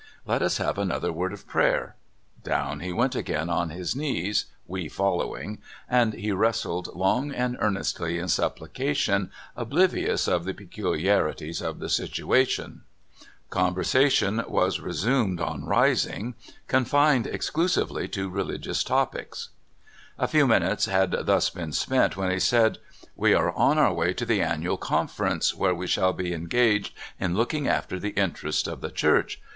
Let us have another word of prayer." Down he went again on his knees, we follow ing, and he wrestled long and earnestly in suppli cation, oblivious of the peculiarities of the situa tion. Conversation was resumed on rising, confined (32) FULTON. 33 exclusively to religious topics. A few minutes had thus been spent, when he said: '* We are on our way to the Annual Conference, where we shall be engaged in looking after the interests of the Church.